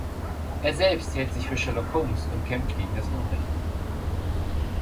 Er selbst hält sich für Sherlock Holmes und kämpft geben das Unrecht.